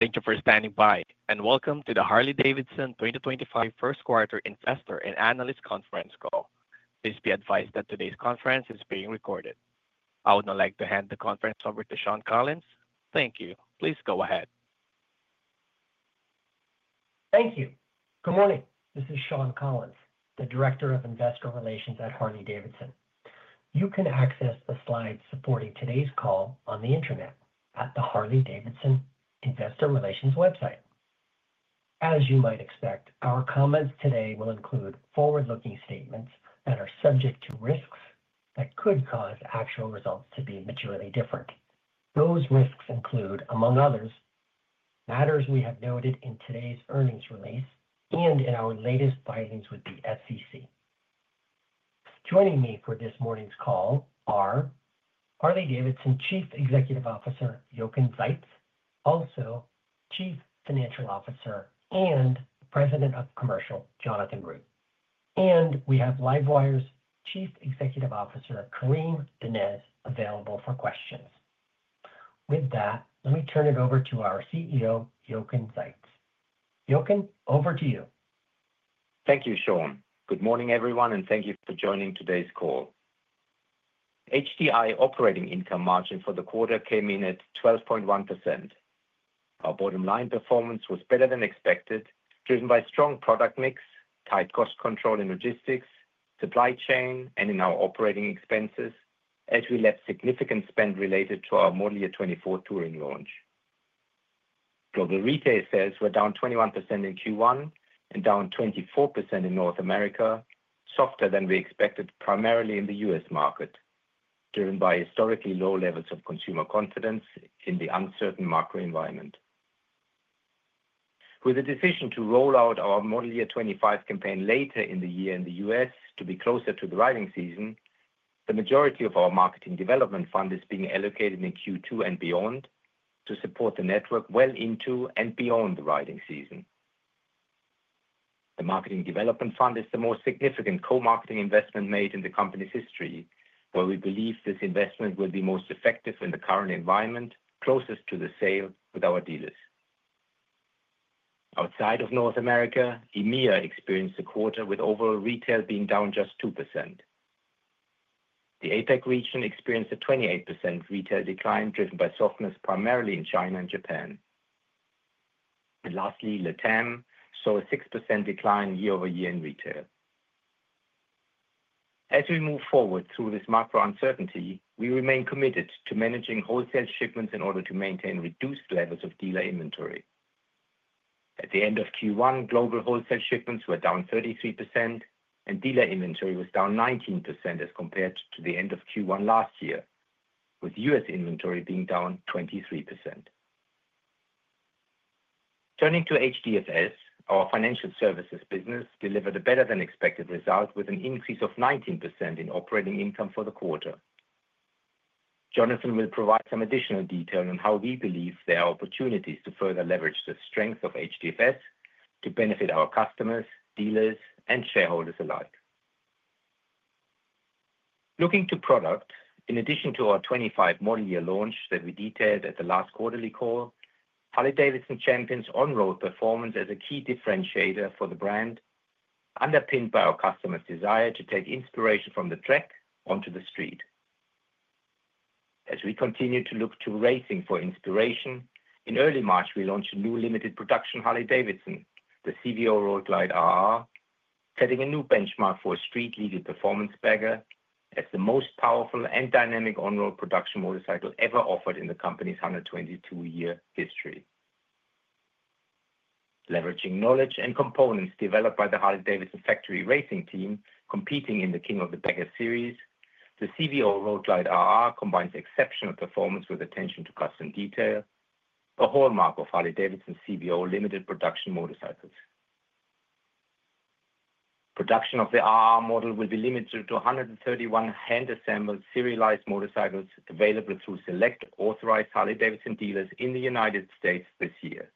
Thank you for standing by, and welcome to the Harley-Davidson 2025 Q1 Investor and Analyst Conference Call. Please be advised that today's conference is being recorded. I would now like to hand the conference over to Shawn Collins. Thank you. Please go ahead. Thank you. Good morning. This is Shawn Collins, the Director of Investor Relations at Harley-Davidson. You can access the slides supporting today's call on the internet at the Harley-Davidson Investor Relations website. As you might expect, our comments today will include forward-looking statements that are subject to risks that could cause actual results to be materially different. Those risks include, among others, matters we have noted in today's earnings release and in our latest filings with the SEC. Joining me for this morning's call are Harley-Davidson Chief Executive Officer Jochen Zeitz, also Chief Financial Officer and President of Commercial, Jonathan Root. We have LiveWire's Chief Executive Officer, Karim Donnez, available for questions. With that, let me turn it over to our CEO, Jochen Zeitz. Jochen, over to you. Thank you, Shawn. Good morning, everyone, and thank you for joining today's call. HDI operating income margin for the quarter came in at 12.1%. Our bottom line performance was better than expected, driven by strong product mix, tight cost control in logistics, supply chain, and in our operating expenses, as we left significant spend related to our model year 2024 touring launch. Global retail sales were down 21% in Q1 and down 24% in North America, softer than we expected primarily in the U.S. market, driven by historically low levels of consumer confidence in the uncertain macro environment. With the decision to roll out our model year 2025 campaign later in the year in the U.S. to be closer to the riding season, the majority of our Marketing Development Fund is being allocated in Q2 and beyond to support the network well into and beyond the riding season. The Marketing Development Fund is the most significant co-marketing investment made in the company's history, where we believe this investment will be most effective in the current environment, closest to the sale with our dealers. Outside of North America, EMEA experienced the quarter with overall retail being down just 2%. The APAC region experienced a 28% retail decline, driven by softness primarily in China and Japan. Lastly, LATAM saw a 6% decline year-over-year in retail. As we move forward through this macro uncertainty, we remain committed to managing wholesale shipments in order to maintain reduced levels of dealer inventory. At the end of Q1, global wholesale shipments were down 33%, and dealer inventory was down 19% as compared to the end of Q1 last year, with U.S. inventory being down 23%. Turning to HDFS, our financial services business delivered a better-than-expected result with an increase of 19% in operating income for the quarter. Jonathan will provide some additional detail on how we believe there are opportunities to further leverage the strength of HDFS to benefit our customers, dealers, and shareholders alike. Looking to product, in addition to our 2025 model year launch that we detailed at the last quarterly call, Harley-Davidson champions on-road performance as a key differentiator for the brand, underpinned by our customers' desire to take inspiration from the track onto the street. As we continue to look to racing for inspiration, in early March, we launched a new limited production Harley-Davidson, the CVO Road Glide ST setting a new benchmark for a street-legal performance bagger as the most powerful and dynamic on-road production motorcycle ever offered in the company's 122-year history. Leveraging knowledge and components developed by the Harley-Davidson factory racing team competing in the King of the Baggers series, the CVO Road Glide ST combines exceptional performance with attention to custom detail, a hallmark of Harley-Davidson's CVO limited production motorcycles. Production of the ST model will be limited to 131 hand-assembled serialized motorcycles available through select authorized Harley-Davidson dealers in the United States this year.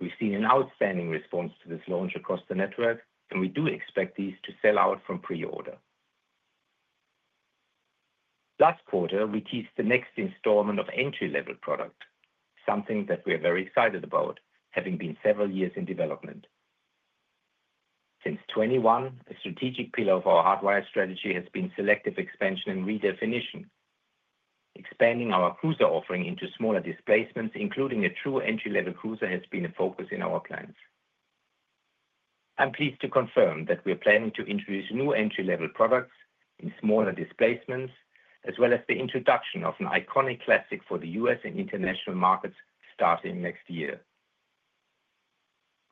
We've seen an outstanding response to this launch across the network, and we do expect these to sell out from pre-order. Last quarter, we teased the next installment of entry-level product, something that we are very excited about, having been several years in development. Since 2021, a strategic pillar of our Hardwire strategy has been selective expansion and redefinition. Expanding our cruiser offering into smaller displacements, including a true entry-level cruiser, has been a focus in our plans. I'm pleased to confirm that we are planning to introduce new entry-level products in smaller displacements, as well as the introduction of an iconic classic for the U.S. and international markets starting next year.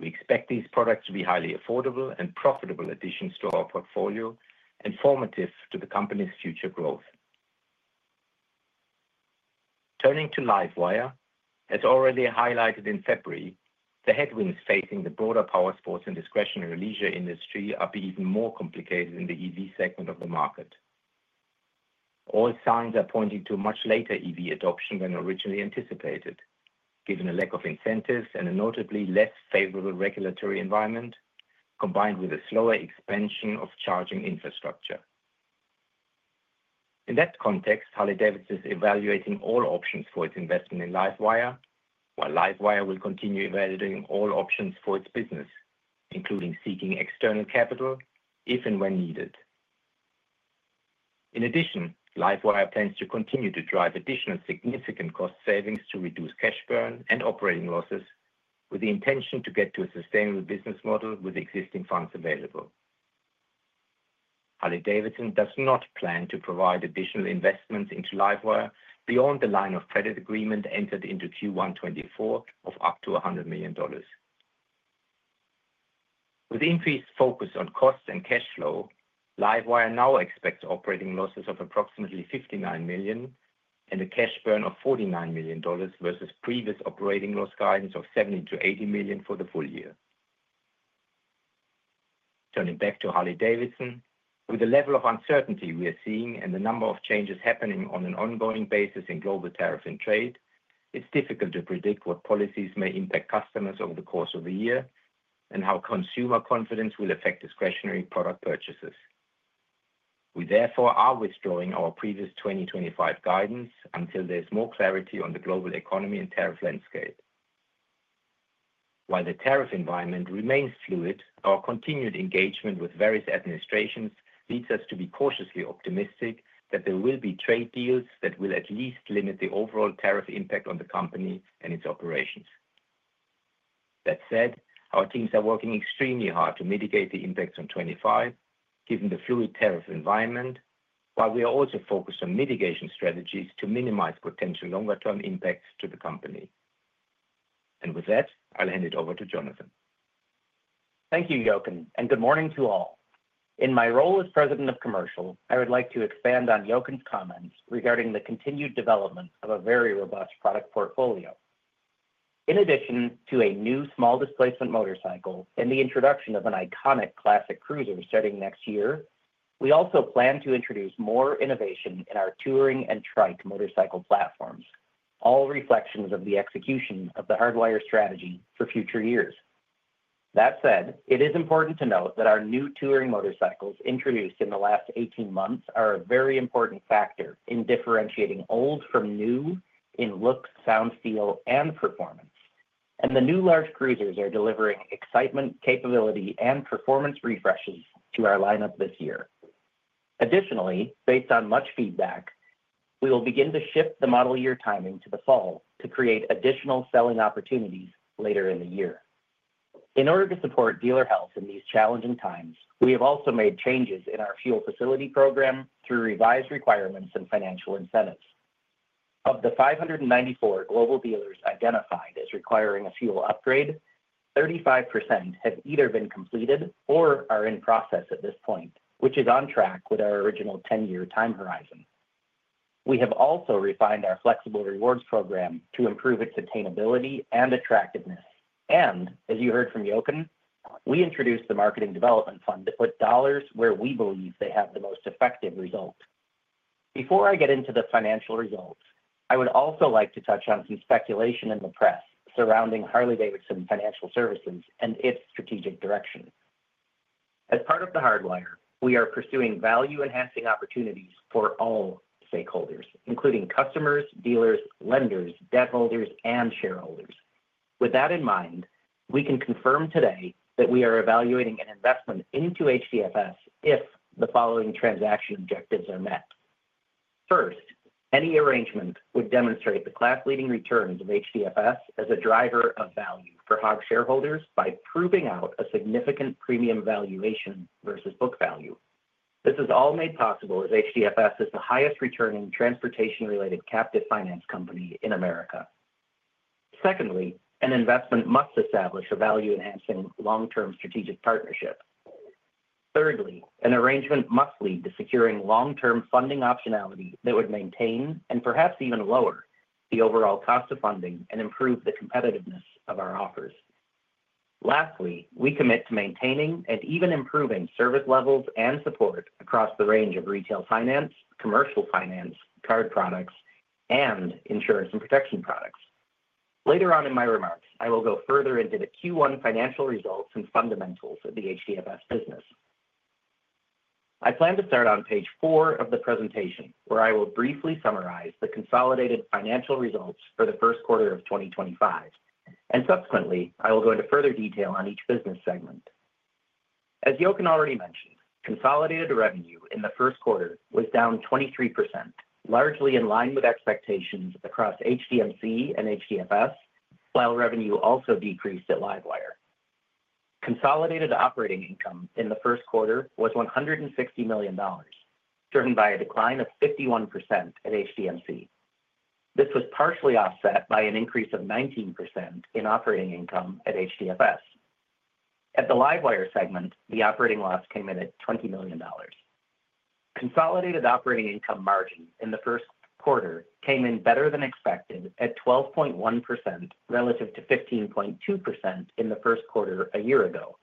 We expect these products to be highly affordable and profitable additions to our portfolio and formative to the company's future growth. Turning to LiveWire, as already highlighted in February, the headwinds facing the broader powersports and discretionary leisure industry are even more complicated in the EV segment of the market. All signs are pointing to a much later EV adoption than originally anticipated, given a lack of incentives and a notably less favorable regulatory environment, combined with a slower expansion of charging infrastructure. In that context, Harley-Davidson is evaluating all options for its investment in LiveWire, while LiveWire will continue evaluating all options for its business, including seeking external capital if and when needed. In addition, LiveWire plans to continue to drive additional significant cost savings to reduce cash burn and operating losses, with the intention to get to a sustainable business model with existing funds available. Harley-Davidson does not plan to provide additional investments into LiveWire beyond the line of credit agreement entered into in Q1 2024 of up to $100 million. With increased focus on costs and cash flow, LiveWire now expects operating losses of approximately $59 million and a cash burn of $49 million versus previous operating loss guidance of $70-$80 million for the full year. Turning back to Harley-Davidson, with the level of uncertainty we are seeing and the number of changes happening on an ongoing basis in global tariff and trade, it's difficult to predict what policies may impact customers over the course of the year and how consumer confidence will affect discretionary product purchases. We therefore are withdrawing our previous 2025 guidance until there's more clarity on the global economy and tariff landscape. While the tariff environment remains fluid, our continued engagement with various administrations leads us to be cautiously optimistic that there will be trade deals that will at least limit the overall tariff impact on the company and its operations. That said, our teams are working extremely hard to mitigate the impacts on 2025, given the fluid tariff environment, while we are also focused on mitigation strategies to minimize potential longer-term impacts to the company. With that, I'll hand it over to Jonathan. Thank you, Jochen, and good morning to all. In my role as President of Commercial, I would like to expand on Jochen's comments regarding the continued development of a very robust product portfolio. In addition to a new small displacement motorcycle and the introduction of an iconic classic cruiser starting next year, we also plan to introduce more innovation in our touring and Trike motorcycle platforms, all reflections of the execution of the Hardwire strategy for future years. That said, it is important to note that our new touring motorcycles introduced in the last 18 months are a very important factor in differentiating old from new in look, sound, feel, and performance, and the new large cruisers are delivering excitement, capability, and performance refreshes to our lineup this year. Additionally, based on much feedback, we will begin to shift the model year timing to the fall to create additional selling opportunities later in the year. In order to support dealer health in these challenging times, we have also made changes in our Fuel facility program through revised requirements and financial incentives. Of the 594 global dealers identified as requiring a Fuel upgrade, 35% have either been completed or are in process at this point, which is on track with our original 10-year time horizon. We have also refined our flexible rewards program to improve its attainability and attractiveness, and as you heard from Jochen, we introduced the Marketing Development Fund to put dollars where we believe they have the most effective result. Before I get into the financial results, I would also like to touch on some speculation in the press surrounding Harley-Davidson Financial Services and its strategic direction. As part of the Hardwire, we are pursuing value-enhancing opportunities for all stakeholders, including customers, dealers, lenders, debt holders, and shareholders. With that in mind, we can confirm today that we are evaluating an investment into HDFS if the following transaction objectives are met. First, any arrangement would demonstrate the class-leading returns of HDFS as a driver of value for HOG shareholders by proving out a significant premium valuation versus book value. This is all made possible as HDFS is the highest-returning transportation-related captive finance company in America. Secondly, an investment must establish a value-enhancing long-term strategic partnership. Thirdly, an arrangement must lead to securing long-term funding optionality that would maintain, and perhaps even lower, the overall cost of funding and improve the competitiveness of our offers. Lastly, we commit to maintaining and even improving service levels and support across the range of retail finance, commercial finance, card products, and insurance and protection products. Later on in my remarks, I will go further into the Q1 financial results and fundamentals of the HDFS business. I plan to start on page four of the presentation, where I will briefly summarize the consolidated financial results for the Q1 of 2025, and subsequently, I will go into further detail on each business segment. As Jochen already mentioned, consolidated revenue in the Q1 was down 23%, largely in line with expectations across HDMC and HDFS, while revenue also decreased at LiveWire. Consolidated operating income in the Q1 was $160 million, driven by a decline of 51% at HDMC. This was partially offset by an increase of 19% in operating income at HDFS. At the LiveWire segment, the operating loss came in at $20 million. Consolidated operating income margin in the Q1 came in better than expected at 12.1% relative to 15.2% in the Q1 a year ago,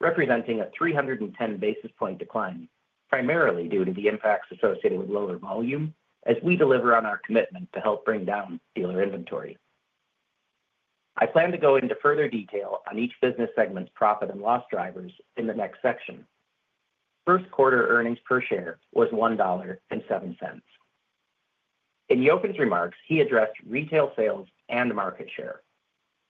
representing a 310 basis point decline, primarily due to the impacts associated with lower volume, as we deliver on our commitment to help bring down dealer inventory. I plan to go into further detail on each business segment's profit and loss drivers in the next section. Q1 earnings per share was $1.07. In Jochen's remarks, he addressed retail sales and market share.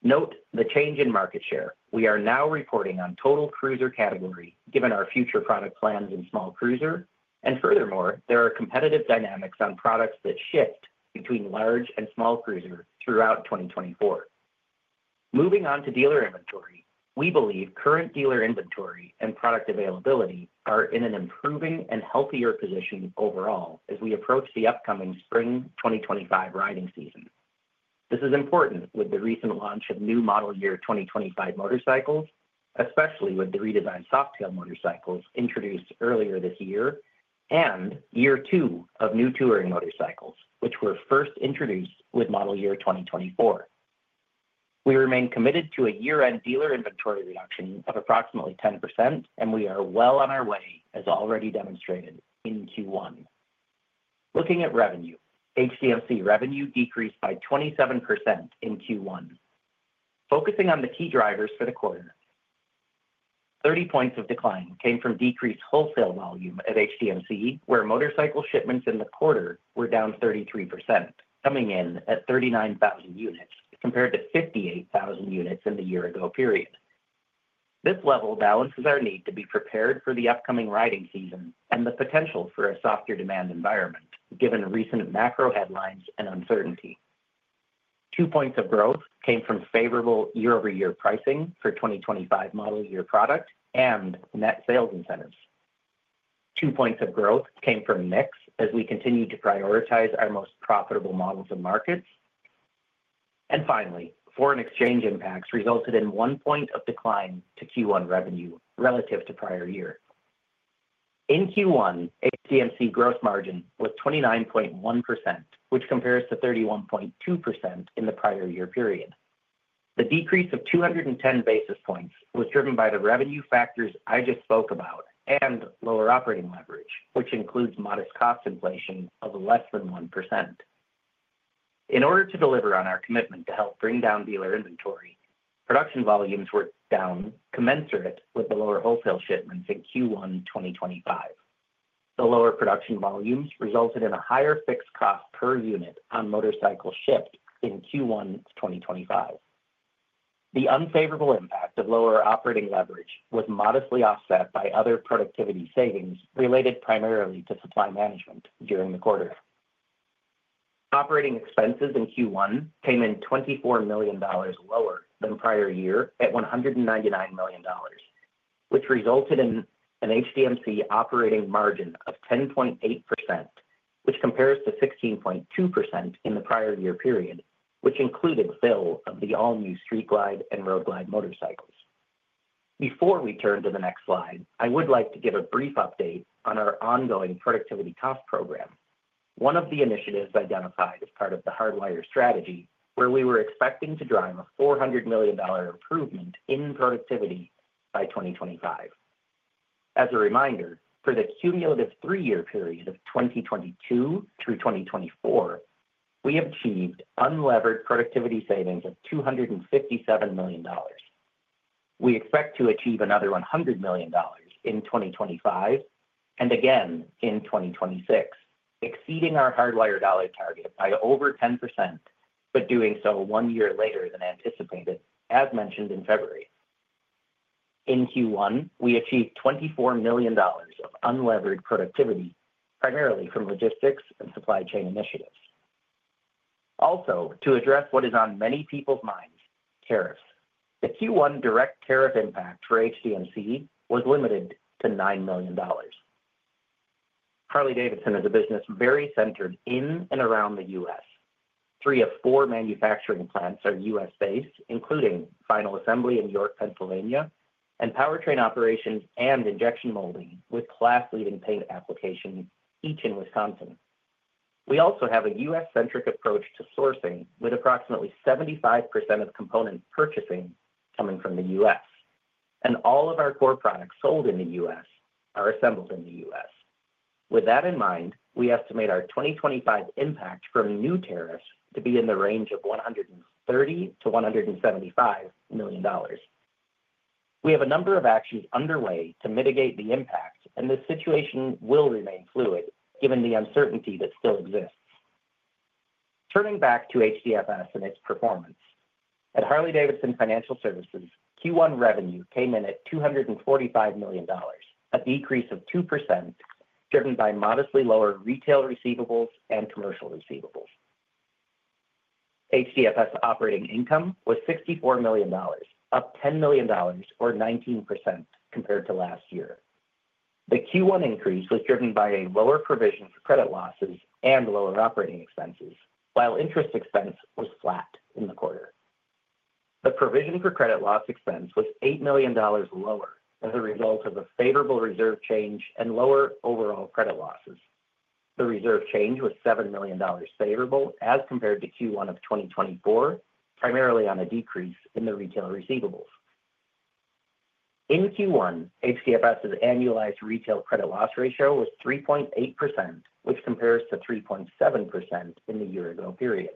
Note the change in market share we are now reporting on total cruiser category, given our future product plans in small cruiser, and furthermore, there are competitive dynamics on products that shift between large and small cruiser throughout 2024. Moving on to dealer inventory, we believe current dealer inventory and product availability are in an improving and healthier position overall as we approach the upcoming spring 2025 riding season. This is important with the recent launch of new model year 2025 motorcycles, especially with the redesigned Softail motorcycles introduced earlier this year, and year two of new Touring motorcycles, which were first introduced with model year 2024. We remain committed to a year-end dealer inventory reduction of approximately 10%, and we are well on our way, as already demonstrated in Q1. Looking at revenue, HDFS revenue decreased by 27% in Q1. Focusing on the key drivers for the quarter, 30 percentage points of decline came from decreased wholesale volume at HDMC, where motorcycle shipments in the quarter were down 33%, coming in at 39,000 units compared to 58,000 units in the year-ago period. This level balances our need to be prepared for the upcoming riding season and the potential for a softer demand environment, given recent macro headlines and uncertainty. Two points of growth came from favorable year-over-year pricing for 2025 model year product and net sales incentives. Two points of growth came from mix as we continued to prioritize our most profitable models and markets. Finally, foreign exchange impacts resulted in one point of decline to Q1 revenue relative to prior year. In Q1, HDMC gross margin was 29.1%, which compares to 31.2% in the prior year period. The decrease of 210 basis points was driven by the revenue factors I just spoke about and lower operating leverage, which includes modest cost inflation of less than 1%. In order to deliver on our commitment to help bring down dealer inventory, production volumes were down commensurate with the lower wholesale shipments in Q1 2025. The lower production volumes resulted in a higher fixed cost per unit on motorcycles shipped in Q1 2025. The unfavorable impact of lower operating leverage was modestly offset by other productivity savings related primarily to supply management during the quarter. Operating expenses in Q1 came in $24 million lower than prior year at $199 million, which resulted in an HDMC operating margin of 10.8%, which compares to 16.2% in the prior year period, which included fill of the all-new Street Glide and Road Glide motorcycles. Before we turn to the next slide, I would like to give a brief update on our ongoing productivity cost program, one of the initiatives identified as part of the Hardwire strategy, where we were expecting to drive a $400 million improvement in productivity by 2025. As a reminder, for the cumulative three-year period of 2022 through 2024, we have achieved unlevered productivity savings of $257 million. We expect to achieve another $100 million in 2025 and again in 2026, exceeding our Hardwire dollar target by over 10%, but doing so one year later than anticipated, as mentioned in February. In Q1, we achieved $24 million of unlevered productivity, primarily from logistics and supply chain initiatives. Also, to address what is on many people's minds, tariffs. The Q1 direct tariff impact for HDMC was limited to $9 million. LiveWire is a business very centered in and around the U.S. Three of four manufacturing plants are U.S.-based, including final assembly in York, Pennsylvania, and powertrain operations and injection molding with class-leading paint application, each in Wisconsin. We also have a U.S.-centric approach to sourcing, with approximately 75% of component purchasing coming from the U.S., and all of our core products sold in the U.S. are assembled in the U.S. With that in mind, we estimate our 2025 impact from new tariffs to be in the range of $130 to $175 million. We have a number of actions underway to mitigate the impact, and this situation will remain fluid given the uncertainty that still exists. Turning back to HDFS and its performance, at Harley-Davidson Financial Services, Q1 revenue came in at $245 million, a decrease of 2%, driven by modestly lower retail receivables and commercial receivables. HDFS operating income was $64 million, up $10 million, or 19%, compared to last year. The Q1 increase was driven by a lower provision for credit losses and lower operating expenses, while interest expense was flat in the quarter. The provision for credit loss expense was $8 million lower as a result of a favorable reserve change and lower overall credit losses. The reserve change was $7 million favorable as compared to Q1 of 2024, primarily on a decrease in the retail receivables. In Q1, HDFS's annualized retail credit loss ratio was 3.8%, which compares to 3.7% in the year-ago period.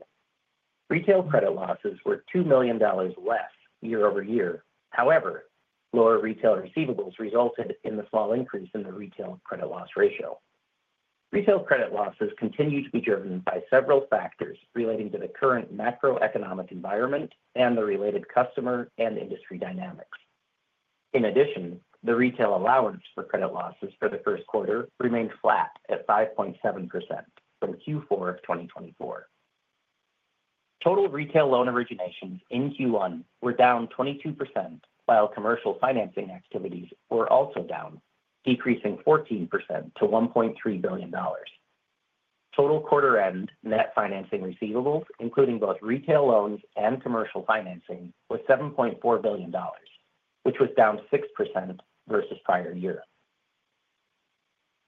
Retail credit losses were $2 million less year-over-year. However, lower retail receivables resulted in the small increase in the retail credit loss ratio. Retail credit losses continue to be driven by several factors relating to the current macroeconomic environment and the related customer and industry dynamics. In addition, the retail allowance for credit losses for the Q1 remained flat at 5.7% from Q4 of 2024. Total retail loan originations in Q1 were down 22%, while commercial financing activities were also down, decreasing 14% to $1.3 billion. Total quarter-end net financing receivables, including both retail loans and commercial financing, was $7.4 billion, which was down 6% versus prior year.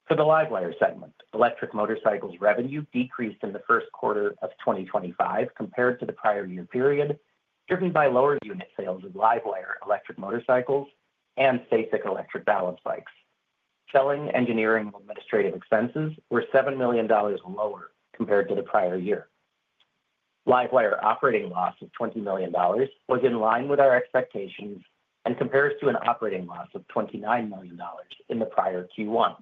For the LiveWire segment, electric motorcycles revenue decreased in the Q1 of 2025 compared to the prior year period, driven by lower unit sales of LiveWire electric motorcycles and STACYC electric balance bikes. Selling, engineering, and administrative expenses were $7 million lower compared to the prior year. LiveWire operating loss of $20 million was in line with our expectations and compares to an operating loss of $29 million in the prior Q1.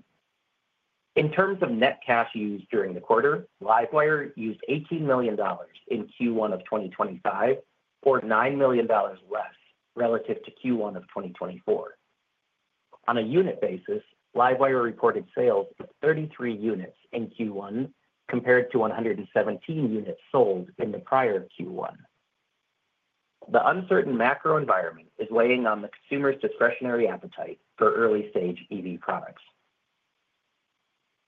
In terms of net cash used during the quarter, LiveWire used $18 million in Q1 of 2025, or $9 million less relative to Q1 of 2024. On a unit basis, LiveWire reported sales of 33 units in Q1 compared to 117 units sold in the prior Q1. The uncertain macro environment is weighing on the consumer's discretionary appetite for early-stage EV products.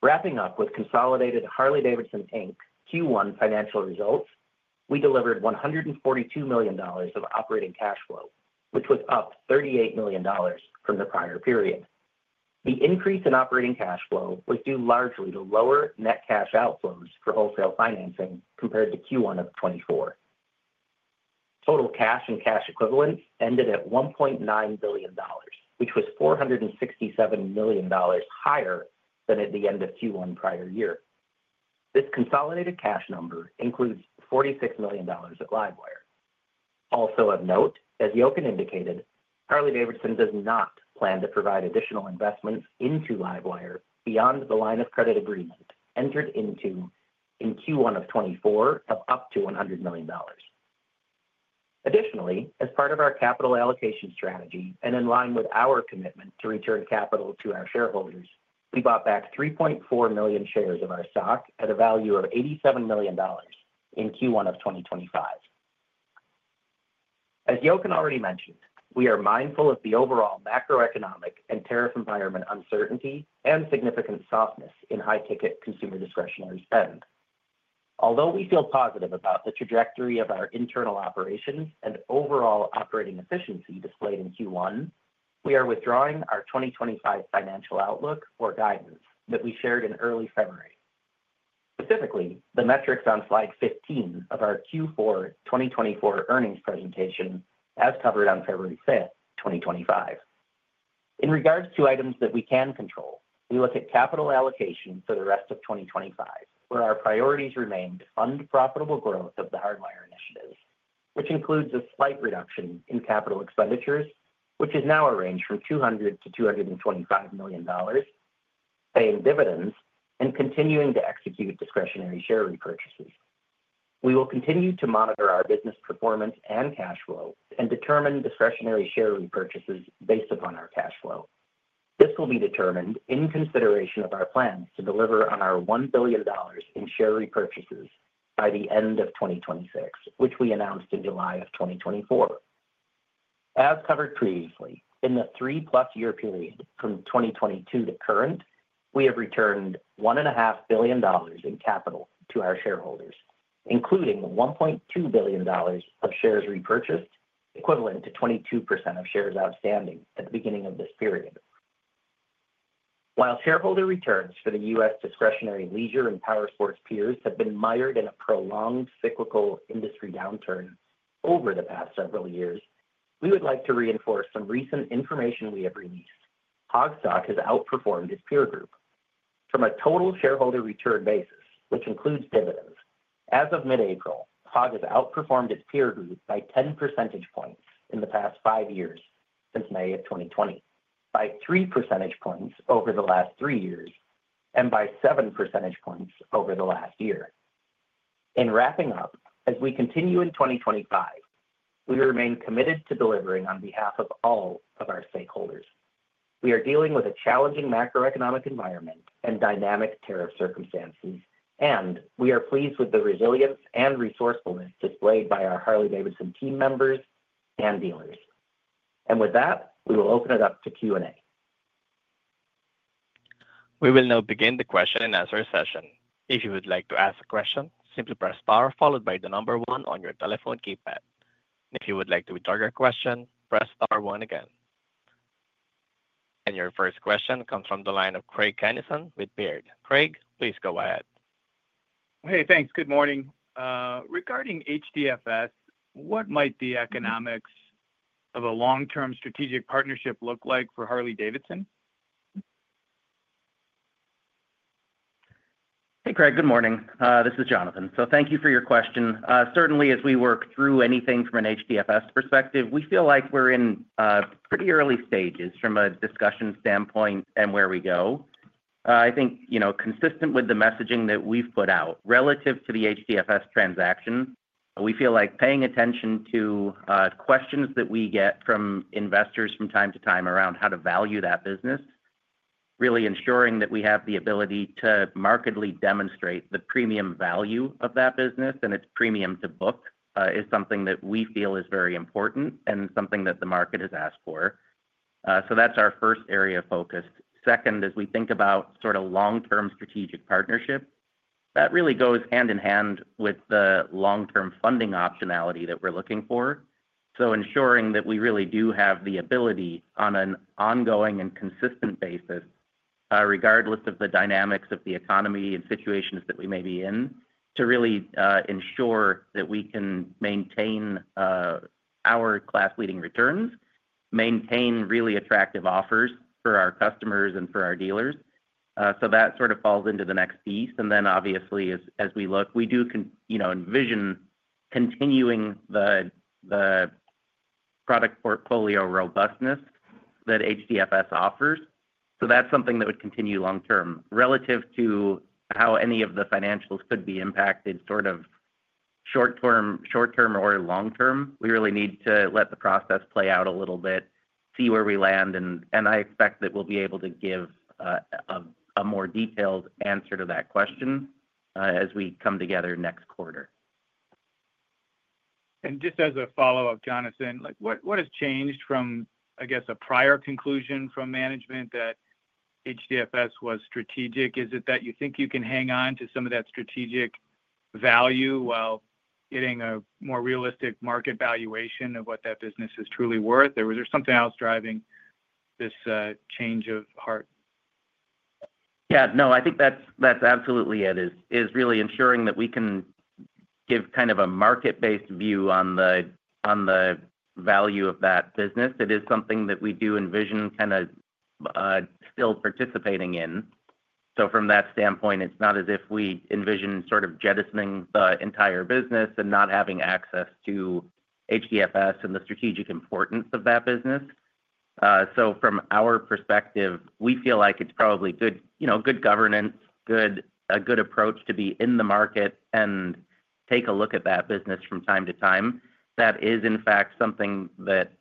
Wrapping up with consolidated Harley-Davidson Q1 financial results, we delivered $142 million of operating cash flow, which was up $38 million from the prior period. The increase in operating cash flow was due largely to lower net cash outflows for wholesale financing compared to Q1 of 2024. Total cash and cash equivalents ended at $1.9 billion, which was $467 million higher than at the end of Q1 prior year. This consolidated cash number includes $46 million at LiveWire. Also of note, as Jochen indicated, Harley-Davidson does not plan to provide additional investments into LiveWire beyond the line of credit agreement entered into in Q1 of 2024 of up to $100 million. Additionally, as part of our capital allocation strategy and in line with our commitment to return capital to our shareholders, we bought back 3.4 million shares of our stock at a value of $87 million in Q1 of 2024. As Jochen already mentioned, we are mindful of the overall macroeconomic and tariff environment uncertainty and significant softness in high-ticket consumer discretionary spend. Although we feel positive about the trajectory of our internal operations and overall operating efficiency displayed in Q1, we are withdrawing our 2024 financial outlook for guidance that we shared in early February. Specifically, the metrics on slide 15 of our Q4 2023 earnings presentation as covered on February 5th, 2025. In regards to items that we can control, we look at capital allocation for the rest of 2025, where our priorities remain to fund profitable growth of the Hardwire initiative, which includes a slight reduction in capital expenditures, which is now arranged from $200-$225 million, paying dividends and continuing to execute discretionary share repurchases. We will continue to monitor our business performance and cash flow and determine discretionary share repurchases based upon our cash flow. This will be determined in consideration of our plans to deliver on our $1 billion in share repurchases by the end of 2026, which we announced in July of 2024. As covered previously, in the three-plus year period from 2022 to current, we have returned $1.5 billion in capital to our shareholders, including $1.2 billion of shares repurchased, equivalent to 22% of shares outstanding at the beginning of this period. While shareholder returns for the U.S. discretionary leisure and powersports peers have been mired in a prolonged cyclical industry downturn over the past several years, we would like to reinforce some recent information we have released. Harley-Davidson has outperformed its peer group. From a total shareholder return basis, which includes dividends, as of mid-April, Harley-Davidson has outperformed its peer group by 10 percentage points in the past five years since May of 2020, by 3 percentage points over the last three years, and by 7 percentage points over the last year. In wrapping up, as we continue in 2025, we remain committed to delivering on behalf of all of our stakeholders. We are dealing with a challenging macroeconomic environment and dynamic tariff circumstances, and we are pleased with the resilience and resourcefulness displayed by our Harley-Davidson team members and dealers. With that, we will open it up to Q&A. We will now begin the question and answer session. If you would like to ask a question, simply press star followed by the number one on your telephone keypad. If you would like to withdraw your question, press star one again. Your first question comes from the line of Craig Kenison with Baird. Craig, please go ahead. Hey, thanks. Good morning. Regarding HDFS, what might the economics of a long-term strategic partnership look like for Harley-Davidson? Hey, Craig, good morning. This is Jonathan. Thank you for your question. Certainly, as we work through anything from an HDFS perspective, we feel like we're in pretty early stages from a discussion standpoint and where we go. I think consistent with the messaging that we've put out relative to the HDFS transaction, we feel like paying attention to questions that we get from investors from time to time around how to value that business, really ensuring that we have the ability to markedly demonstrate the premium value of that business and its premium to book is something that we feel is very important and something that the market has asked for. That's our first area of focus. Second, as we think about sort of long-term strategic partnership, that really goes hand in hand with the long-term funding optionality that we're looking for to ensuring that we really do have the ability on an ongoing and consistent basis, regardless of the dynamics of the economy and situations that we may be in, to really ensure that we can maintain our class-leading returns, maintain really attractive offers for our customers and for our dealers. That sort of falls into the next piece. Obviously, as we look, we do envision continuing the product portfolio robustness that HDFS offers. That is something that would continue long-term relative to how any of the financials could be impacted short-term or long-term, we really need to let the process play out a little bit, see where we land. I expect that we will be able to give a more detailed answer to that question as we come together next quarter. Just as a follow-up, Jonathan, what has changed from, I guess, a prior conclusion from management that HDFS was strategic? Is it that you think you can hang on to some of that strategic value while getting a more realistic market valuation of what that business is truly worth? Is there something else driving this change of heart? Yeah. No, I think that's absolutely it, is really ensuring that we can give kind of a market-based view on the value of that business. It is something that we do envision kind of still participating in. From that standpoint, it's not as if we envision sort of jettisoning the entire business and not having access to HDFS and the strategic importance of that business. From our perspective, we feel like it's probably good governance, a good approach to be in the market and take a look at that business from time to time. That is, in fact, something that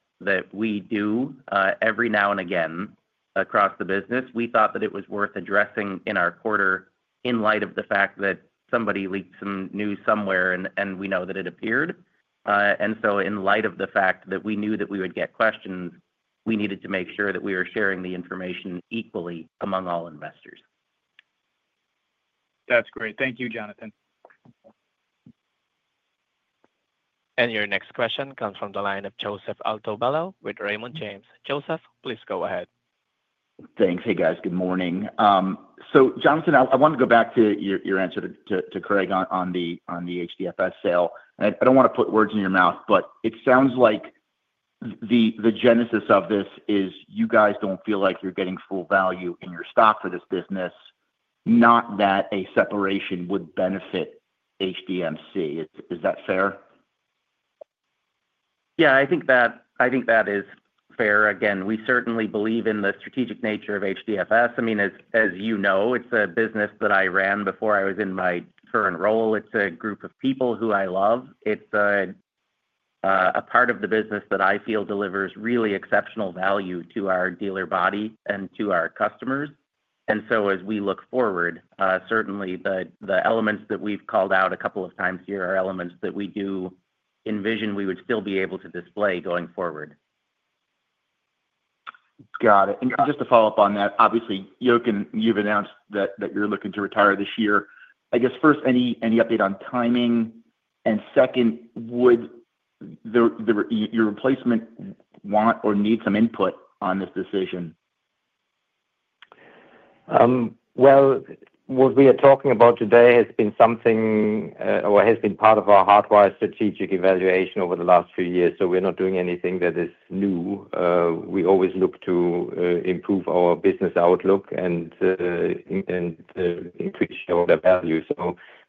we do every now and again across the business. We thought that it was worth addressing in our quarter in light of the fact that somebody leaked some news somewhere and we know that it appeared. In light of the fact that we knew that we would get questions, we needed to make sure that we were sharing the information equally among all investors. That's great. Thank you, Jonathan. Your next question comes from the line of Joseph Altobello with Raymond James. Joseph, please go ahead. Thanks. Hey, guys. Good morning. Jonathan, I want to go back to your answer to Craig on the HDFS sale. I don't want to put words in your mouth, but it sounds like the genesis of this is you guys don't feel like you're getting full value in your stock for this business, not that a separation would benefit HDMC. Is that fair? Yeah, I think that is fair. Again, we certainly believe in the strategic nature of HDFS. I mean, as you know, it's a business that I ran before I was in my current role. It's a group of people who I love. It's a part of the business that I feel delivers really exceptional value to our dealer body and to our customers. As we look forward, certainly the elements that we've called out a couple of times here are elements that we do envision we would still be able to display going forward. Got it. Just to follow up on that, obviously, Jochen, you've announced that you're looking to retire this year. I guess first, any update on timing? Second, would your replacement want or need some input on this decision? What we are talking about today has been something or has been part of our Hardwire strategic evaluation over the last few years. We are not doing anything that is new. We always look to improve our business outlook and to show the value.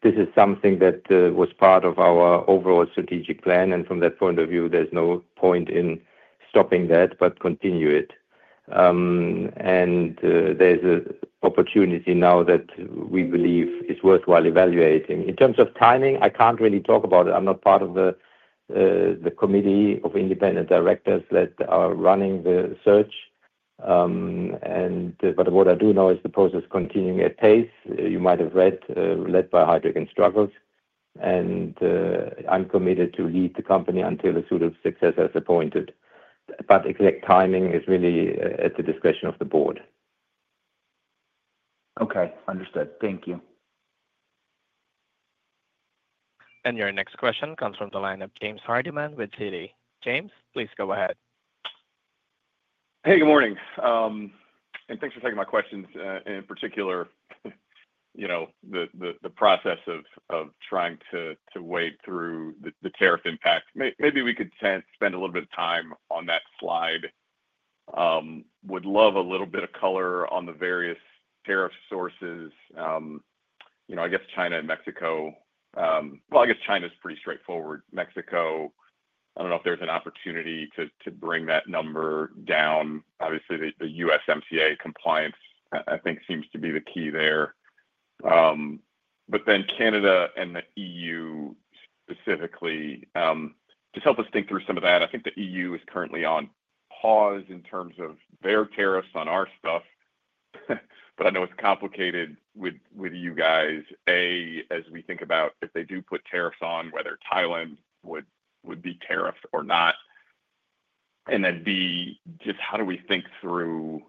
This is something that was part of our overall strategic plan. From that point of view, there is no point in stopping that but continue it. There is an opportunity now that we believe is worthwhile evaluating. In terms of timing, I can't really talk about it. I'm not part of the committee of independent directors that are running the search. What I do know is the process continuing at pace. You might have read, led by Heidrick & Struggles. I am committed to lead the company until the suit of success is appointed. Exact timing is really at the discretion of the board. Okay. Understood. Thank you. Your next question comes from the line of James Hardiman with Citi. James, please go ahead. Hey, good morning. Thanks for taking my questions. In particular, the process of trying to wade through the tariff impact. Maybe we could spend a little bit of time on that slide. Would love a little bit of color on the various tariff sources. I guess China and Mexico. I guess China is pretty straightforward. Mexico, I do not know if there is an opportunity to bring that number down. Obviously, the USMCA compliance, I think, seems to be the key there. Then Canada and the EU specifically, just help us think through some of that. I think the EU is currently on pause in terms of their tariffs on our stuff. I know it's complicated with you guys. A, as we think about if they do put tariffs on, whether Thailand would be tariffed or not. B, just how do we think through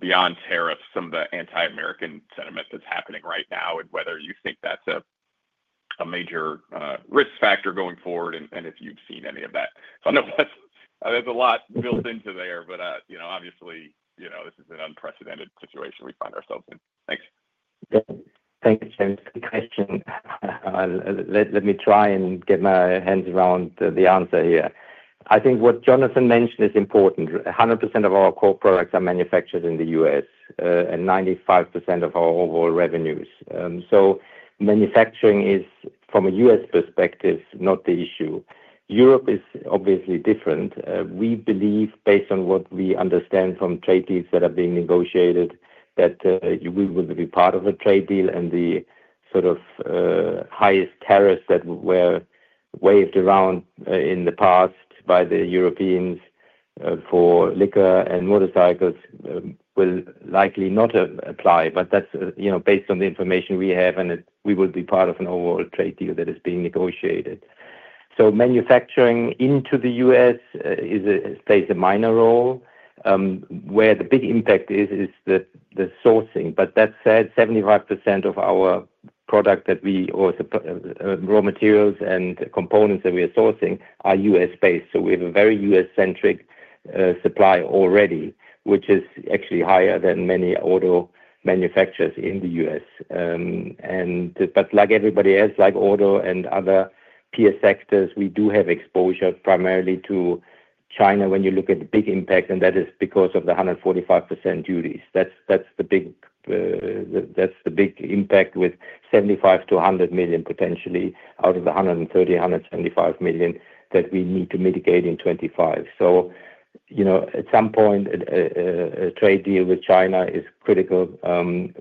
beyond tariffs, some of the anti-American sentiment that's happening right now and whether you think that's a major risk factor going forward and if you've seen any of that. I know there's a lot built into there, but obviously, this is an unprecedented situation we find ourselves in. Thanks. Thank you, James. Good question. Let me try and get my hands around the answer here. I think what Jonathan mentioned is important 100% of our core products are manufactured in the U.S. and 95% of our overall revenues. Manufacturing is, from a U.S. perspective, not the issue. Europe is obviously different. We believe, based on what we understand from trade deals that are being negotiated, that we will be part of a trade deal. The sort of highest tariffs that were waved around in the past by the Europeans for liquor and motorcycles will likely not apply. That is based on the information we have, and we will be part of an overall trade deal that is being negotiated. Manufacturing into the U.S. plays a minor role. Where the big impact is, is the sourcing. That said, 75% of our product that we or raw materials and components that we are sourcing are U.S.-based. We have a very U.S.-centric supply already, which is actually higher than many auto manufacturers in the U.S. Like everybody else, like auto and other peer sectors, we do have exposure primarily to China when you look at the big impact. That is because of the 145% duties. That is the big impact with $75 million-$100 million potentially out of the $130 million-$175 million that we need to mitigate in 2025. At some point, a trade deal with China is critical.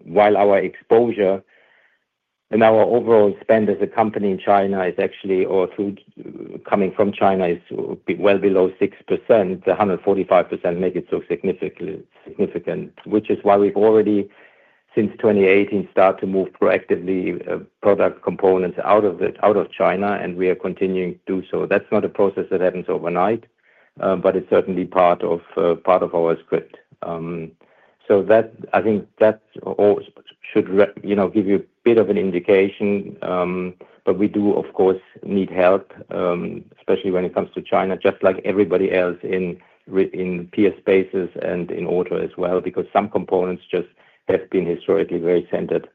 While our exposure and our overall spend as a company in China or coming from China is well below 6%, the 145% makes it so significant, which is why we have already, since 2018, started to move proactively product components out of China, and we are continuing to do so. That is not a process that happens overnight, but it is certainly part of our script. I think that should give you a bit of an indication. We do, of course, need help, especially when it comes to China, just like everybody else in peer spaces and in auto as well, because some components just have been historically very centered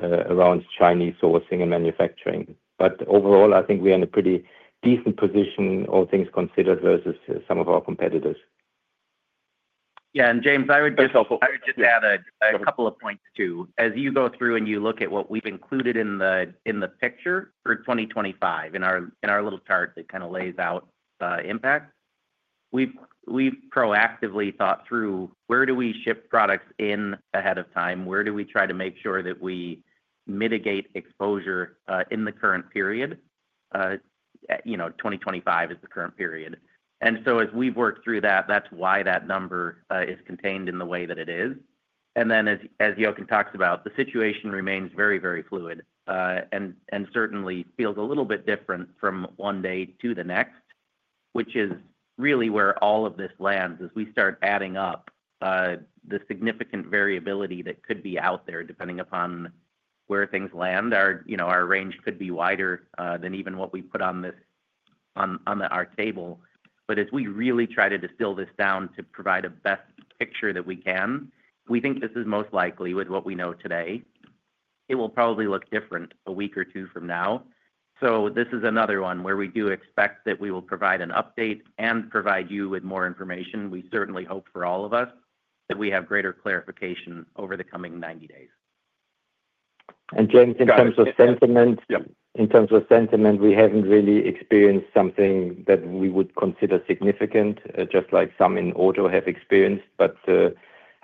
around Chinese sourcing and manufacturing. Overall, I think we're in a pretty decent position, all things considered, versus some of our competitors. Yeah. James, I would just add a couple of points too. As you go through and you look at what we've included in the picture for 2025 in our little chart that kind of lays out the impact, we've proactively thought through where do we ship products in ahead of time, where do we try to make sure that we mitigate exposure in the current period. 2025 is the current period. As we have worked through that, that is why that number is contained in the way that it is. As Jochen talks about, the situation remains very, very fluid and certainly feels a little bit different from one day to the next, which is really where all of this lands as we start adding up the significant variability that could be out there depending upon where things land. Our range could be wider than even what we put on our table. As we really try to distill this down to provide a best picture that we can, we think this is most likely with what we know today. It will probably look different a week or two from now. This is another one where we do expect that we will provide an update and provide you with more information. We certainly hope for all of us that we have greater clarification over the coming 90 days. James, in terms of sentiment, we have not really experienced something that we would consider significant, just like some in auto have experienced.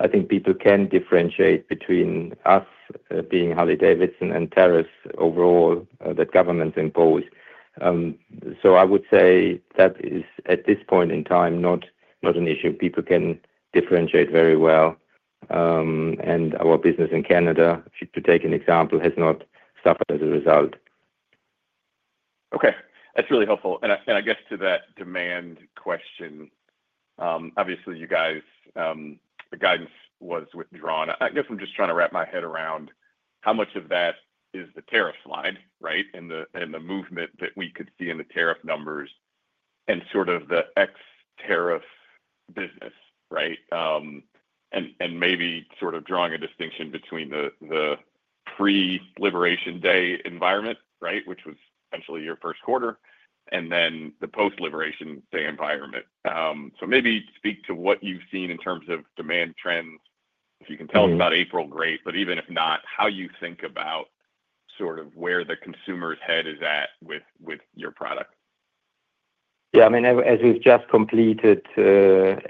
I think people can differentiate between us being Harley-Davidson and tariffs overall that governments impose. I would say that is, at this point in time, not an issue. People can differentiate very well. Our business in Canada, to take an example, has not suffered as a result. Okay. That is really helpful. I guess to that demand question, obviously, you guys, the guidance was withdrawn. I guess I'm just trying to wrap my head around how much of that is the tariff slide, right, and the movement that we could see in the tariff numbers and sort of the ex-tariff business, right, and maybe sort of drawing a distinction between the pre-Uncertain environment, right, which was essentially your Q1, and then the post-Uncertain environment. Maybe speak to what you've seen in terms of demand trends. If you can tell us about April, great. Even if not, how you think about sort of where the consumer's head is at with your product. Yeah. I mean, as we've just completed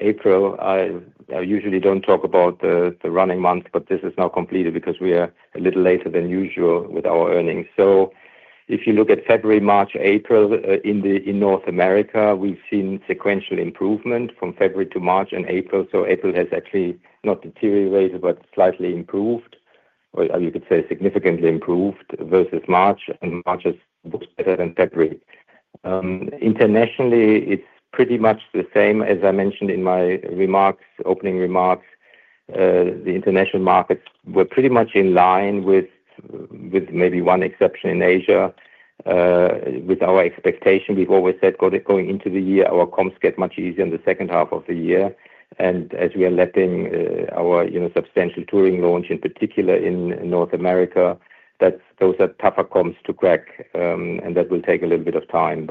April, I usually don't talk about the running month, but this is now completed because we are a little later than usual with our earnings. If you look at February, March, April in North America, we've seen sequential improvement from February to March and April. April has actually not deteriorated but slightly improved, or you could say significantly improved versus March, and March is better than February. Internationally, it's pretty much the same. As I mentioned in my opening remarks, the international markets were pretty much in line with maybe one exception in Asia. With our expectation, we've always said going into the year, our comms get much easier in the second half of the year. As we are letting our substantial Touring launch in particular in North America, those are tougher comms to crack, and that will take a little bit of time.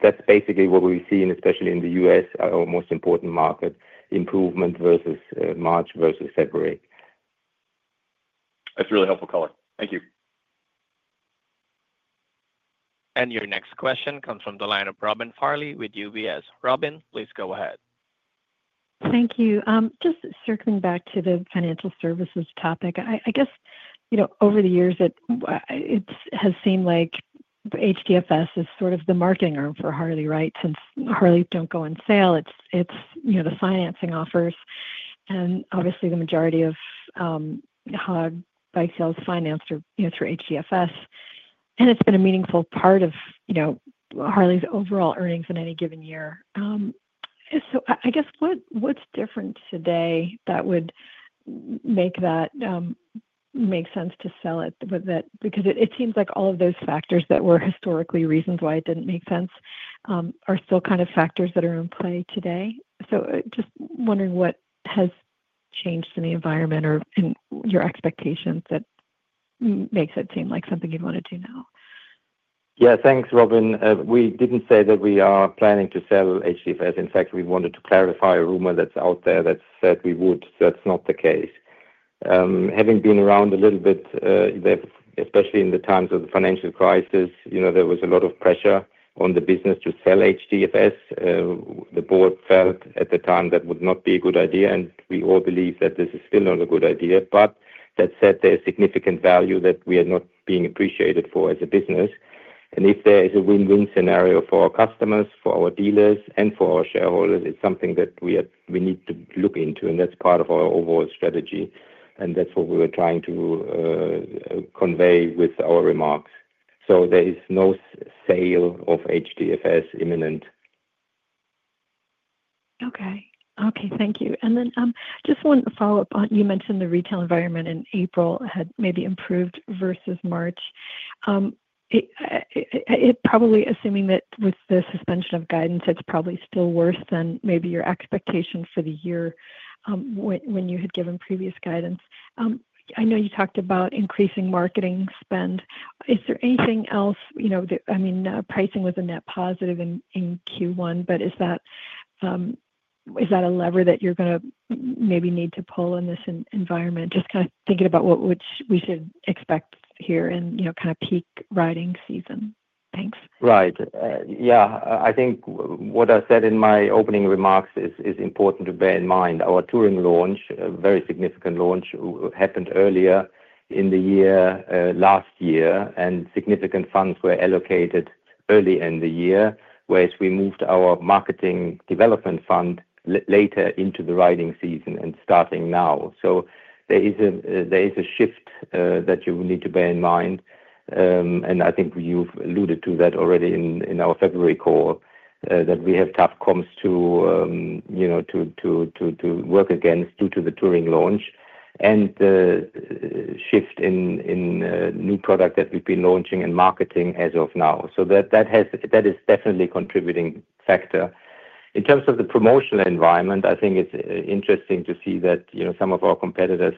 That's basically what we've seen, especially in the U.S., our most important market, improvement versus March versus February. That's really helpful color. Thank you. Your next question comes from the line of Robin Farley with UBS. Robin, please go ahead. Thank you. Just circling back to the financial services topic, I guess over the years, it has seemed like HDFS is sort of the marketing arm for Harley, right? Since Harley do not go on sale, it is the financing offers. Obviously, the majority of HOG bike sales are financed through HDFS. It has been a meaningful part of Harley's overall earnings in any given year. I guess what is different today that would make that make sense to sell it? It seems like all of those factors that were historically reasons why it did not make sense are still kind of factors that are in play today. I am just wondering what has changed in the environment and your expectations that makes it seem like something you would want to do now. Yeah. Thanks, Robin. We did not say that we are planning to sell HDFS. In fact, we wanted to clarify a rumor that is out there that said we would. That is not the case. Having been around a little bit, especially in the times of the financial crisis, there was a lot of pressure on the business to sell HDFS. The board felt at the time that would not be a good idea. We all believe that this is still not a good idea. There is significant value that we are not being appreciated for as a business. If there is a win-win scenario for our customers, for our dealers, and for our shareholders, it is something that we need to look into. That is part of our overall strategy. That is what we were trying to convey with our remarks. There is no sale of HDFS imminent. Okay. Okay. Thank you. And then just one follow-up on you mentioned the retail environment in April had maybe improved versus March. Probably assuming that with the suspension of guidance, it's probably still worse than maybe your expectation for the year when you had given previous guidance. I know you talked about increasing marketing spend. Is there anything else? I mean, pricing was a net positive in Q1, but is that a lever that you're going to maybe need to pull in this environment? Just kind of thinking about what we should expect here in kind of peak riding season. Thanks. Right. Yeah. I think what I said in my opening remarks is important to bear in mind. Our Touring launch, a very significant launch, happened earlier in the year last year, and significant funds were allocated early in the year, whereas we moved our Marketing Development Fund later into the riding season and starting now. There is a shift that you need to bear in mind. I think you've alluded to that already in our February call, that we have tough comms to work against due to the Touring launch and the shift in new product that we've been launching and marketing as of now. That is definitely a contributing factor. In terms of the promotional environment, I think it's interesting to see that some of our competitors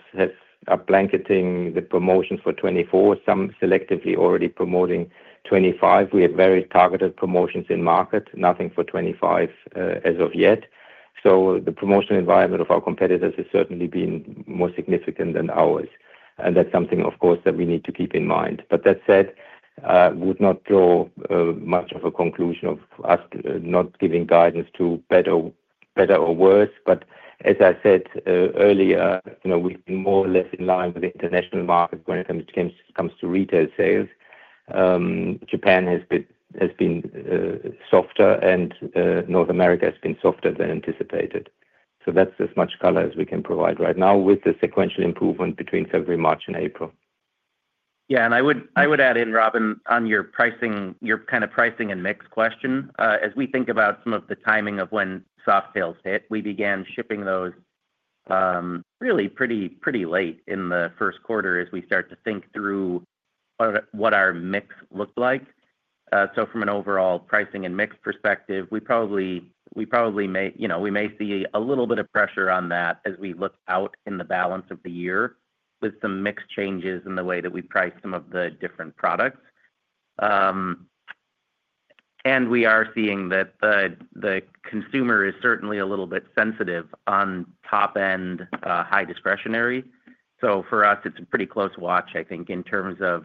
are blanketing the promotions for 2024, some selectively already promoting 2025. We have very targeted promotions in market, nothing for 2025 as of yet. The promotional environment of our competitors has certainly been more significant than ours. That is something, of course, that we need to keep in mind. That said, I would not draw much of a conclusion of us not giving guidance to better or worse. As I said earlier, we are more or less in line with the international market when it comes to retail sales. Japan has been softer, and North America has been softer than anticipated. That is as much color as we can provide right now with the sequential improvement between February, March, and April. Yeah. I would add in, Robin, on your kind of pricing and mix question. As we think about some of the timing of when soft sales hit, we began shipping those really pretty late in the Q1 as we start to think through what our mix looked like. From an overall pricing and mix perspective, we probably may see a little bit of pressure on that as we look out in the balance of the year with some mix changes in the way that we price some of the different products. We are seeing that the consumer is certainly a little bit sensitive on top-end high discretionary. For us, it's a pretty close watch, I think, in terms of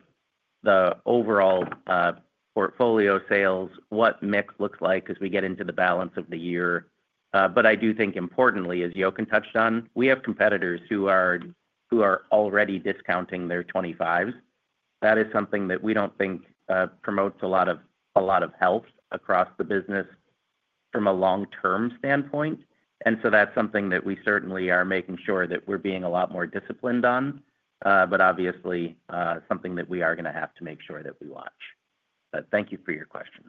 the overall portfolio sales, what mix looks like as we get into the balance of the year. I do think importantly, as Jochen touched on, we have competitors who are already discounting their 2025s. That is something that we do not think promotes a lot of health across the business from a long-term standpoint. That is something that we certainly are making sure that we are being a lot more disciplined on, obviously something that we are going to have to make sure that we watch. Thank you for your question.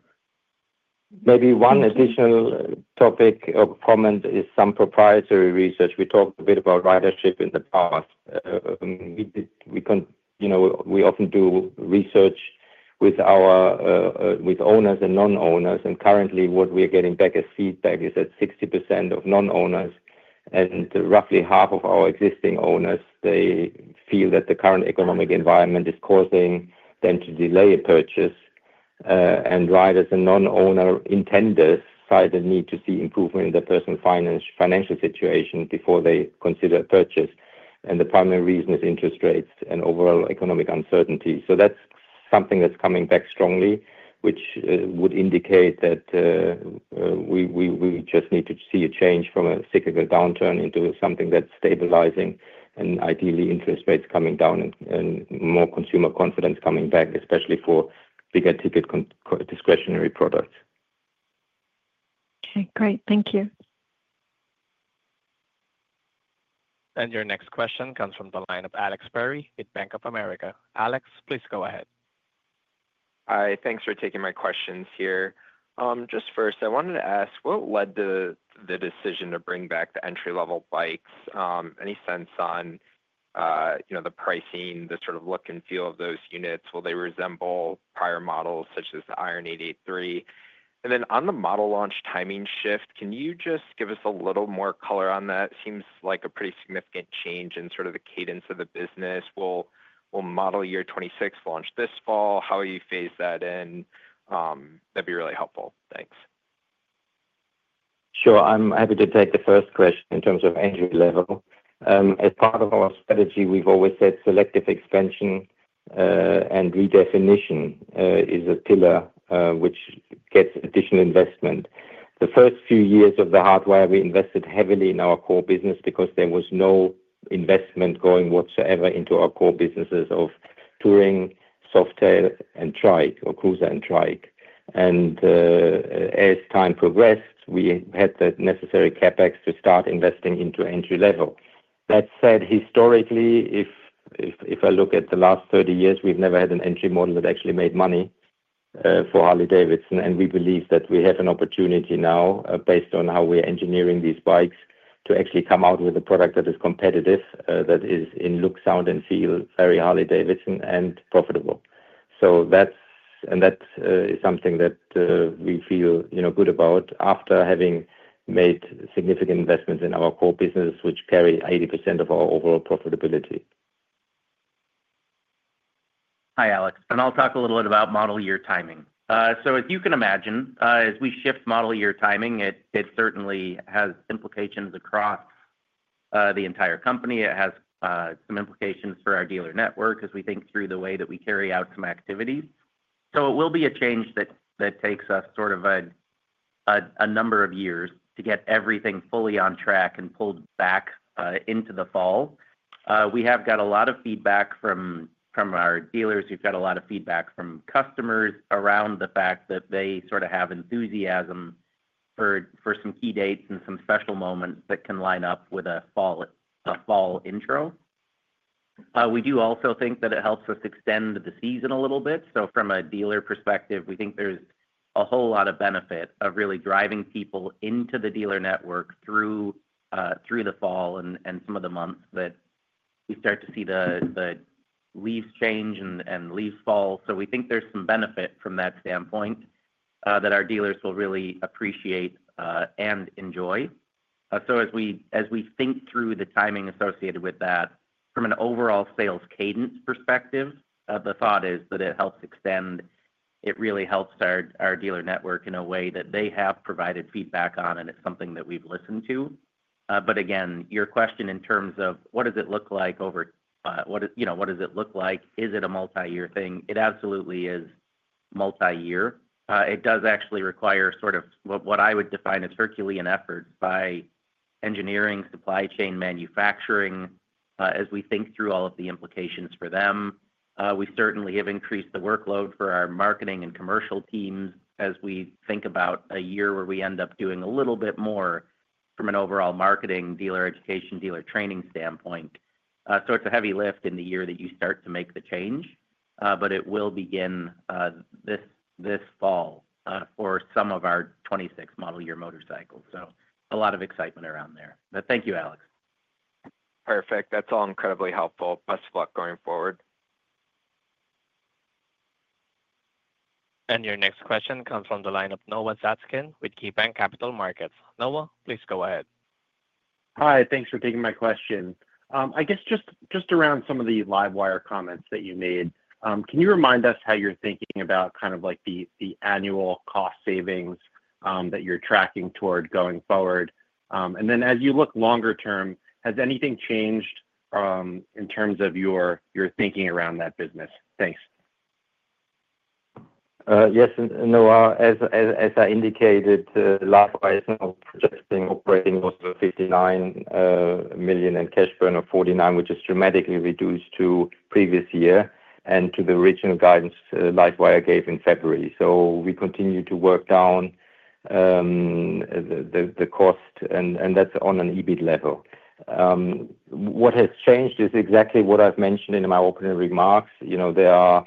Maybe one additional topic of comment is some proprietary research. We talked a bit about ridership in the past. We often do research with owners and non-owners. Currently, what we are getting back as feedback is that 60% of non-owners and roughly half of our existing owners feel that the current economic environment is causing them to delay a purchase. Riders and non-owner intenders find the need to see improvement in their personal financial situation before they consider a purchase. The primary reason is interest rates and overall economic uncertainty. That's something that's coming back strongly, which would indicate that we just need to see a change from a cyclical downturn into something that's stabilizing and ideally interest rates coming down and more consumer confidence coming back, especially for bigger ticket discretionary products. Okay. Great. Thank you. Your next question comes from the line of Alex Perry with Bank of America. Alex, please go ahead. Hi. Thanks for taking my questions here. Just first, I wanted to ask, what led to the decision to bring back the entry-level bikes? Any sense on the pricing, the sort of look and feel of those units? Will they resemble prior models such as the Iron 883? On the model launch timing shift, can you just give us a little more color on that? It seems like a pretty significant change in sort of the cadence of the business. Will model year 2026 launch this fall? How will you phase that in? That'd be really helpful. Thanks. Sure. I'm happy to take the first question in terms of entry level. As part of our strategy, we've always said selective expansion and redefinition is a pillar which gets additional investment. The first few years of the Hardwire, we invested heavily in our core business because there was no investment going whatsoever into our core businesses of Touring, Softail, and Trike or cruiser and Trike. As time progressed, we had the necessary CapEx to start investing into entry level. That said, historically, if I look at the last 30 years, we've never had an entry model that actually made money for Harley-Davidson. We believe that we have an opportunity now, based on how we are engineering these bikes, to actually come out with a product that is competitive, that is in look, sound, and feel very Harley-Davidson and profitable. That is something that we feel good about after having made significant investments in our core businesses, which carry 80% of our overall profitability. Hi, Alex. I'll talk a little bit about model year timing. As you can imagine, as we shift model year timing, it certainly has implications across the entire company. It has some implications for our dealer network as we think through the way that we carry out some activities. It will be a change that takes us sort of a number of years to get everything fully on track and pulled back into the fall. We have got a lot of feedback from our dealers. We've got a lot of feedback from customers around the fact that they sort of have enthusiasm for some key dates and some special moments that can line up with a fall intro. We do also think that it helps us extend the season a little bit. From a dealer perspective, we think there's a whole lot of benefit of really driving people into the dealer network through the fall and some of the months that we start to see the leaves change and leaves fall. We think there's some benefit from that standpoint that our dealers will really appreciate and enjoy. As we think through the timing associated with that, from an overall sales cadence perspective, the thought is that it helps extend. It really helps our dealer network in a way that they have provided feedback on, and it's something that we've listened to. Again, your question in terms of what does it look like over what does it look like? Is it a multi-year thing? It absolutely is multi-year. It does actually require sort of what I would define as Herculean efforts by engineering, supply chain, manufacturing. As we think through all of the implications for them, we certainly have increased the workload for our marketing and commercial teams as we think about a year where we end up doing a little bit more from an overall marketing, dealer education, dealer training standpoint. It is a heavy lift in the year that you start to make the change, but it will begin this fall for some of our 2026 model year motorcycles. A lot of excitement around there. Thank you, Alex. Perfect. That's all incredibly helpful. Best of luck going forward. Your next question comes from the line of Noah Zatzkin with KeyBanc Capital Markets. Noah, please go ahead. Hi. Thanks for taking my question. I guess just around some of the LiveWire comments that you made, can you remind us how you're thinking about kind of the annual cost savings that you're tracking toward going forward? As you look longer term, has anything changed in terms of your thinking around that business? Thanks. Yes. Noah, as I indicated, LiveWire is now projecting operating loss was $59 million and cash burn of $49 million, which is dramatically reduced to previous year and to the original guidance LiveWire gave in February. We continue to work down the cost, and that's on an EBIT level. What has changed is exactly what I've mentioned in my opening remarks. There are